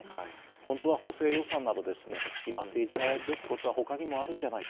本当は補正予算など今、政治がやるべきことは他にもあるんじゃないか。